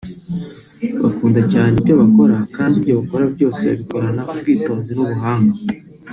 bakunda cyane ibyo bakora kandi ibyo bakora byose babikorana ubwitonzi n’ubuhanga